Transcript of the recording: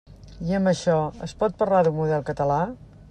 I amb això, ¿es pot parlar d'un model català?